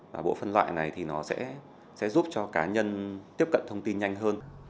và bộ phân loại này thì nó sẽ giúp cho cá nhân tiếp cận thông tin nhanh hơn